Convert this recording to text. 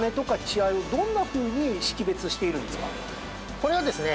これはですね